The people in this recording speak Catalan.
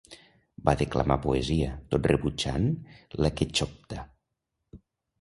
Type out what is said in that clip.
Va declamar poesia, tot rebutjant la chechotka.